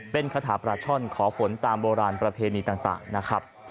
เป็นคาถาปลาช่อนขอฝนตามโบราณประเพณีต่างนะครับ